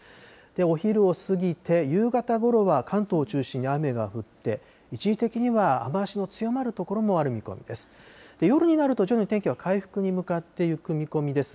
お昼を過ぎて、夕方ごろは関東を中心に雨が降って、一時的には雨足の強まる所もある見込みです。